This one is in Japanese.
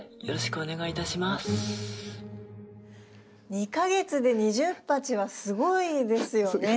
２か月で２０鉢はすごいですよね？